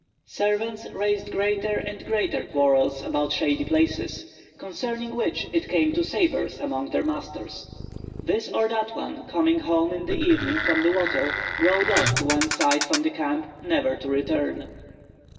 Servants raised greater and greater quarrels about shady places, concerning which it came to sabres among their masters. This or that one coming home in the evening from the water rode off to one side from the camp not to return.